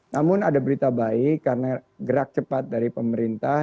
namun ada berita baik karena gerak cepat dari pemerintah